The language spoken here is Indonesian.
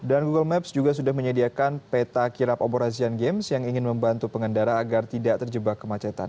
google maps juga sudah menyediakan peta kirap obor asian games yang ingin membantu pengendara agar tidak terjebak kemacetan